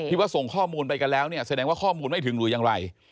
ว่าส่งข้อมูลไปกันแล้วเนี่ยแสดงว่าข้อมูลไม่ถึงหรือยังไร